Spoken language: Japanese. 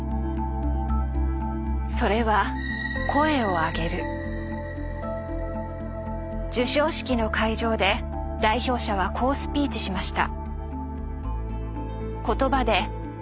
それは受賞式の会場で代表者はこうスピーチしました。